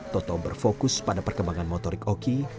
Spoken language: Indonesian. toto berfokus pada perkembangan motorik oki